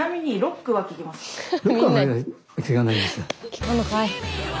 聴かんのかい。